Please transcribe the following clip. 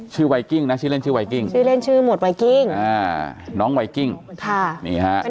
ไวกิ้งนะชื่อเล่นชื่อไวกิ้งชื่อเล่นชื่อหมดไวกิ้งอ่าน้องไวกิ้งค่ะนี่ฮะ